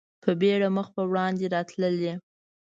په بېړه مخ په وړاندې راتللې.